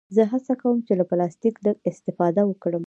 زه هڅه کوم چې له پلاستيکه لږ استفاده وکړم.